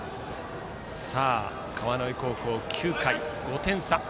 川之江高校９回、５点差。